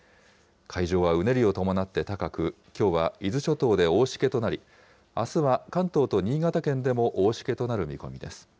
海上はうねりを伴って高く、きょうは伊豆諸島で大しけとなり、あすは関東と新潟県でも大しけとなる見込みです。